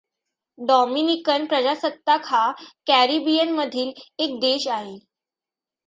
Dominican प्रजासत्ताक हा कॅरिबियनमधील एक देश आहे.